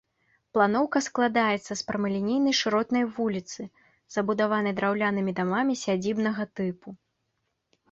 Планоўка складаецца з прамалінейнай шыротнай вуліцы, забудаванай драўлянымі дамамі сядзібнага тыпу.